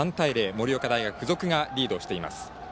盛岡大学付属がリードしています。